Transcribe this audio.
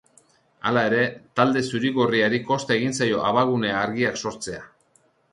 Hala ere, talde zuri-gorriari kosta egin zaio abagune argiak sortzea.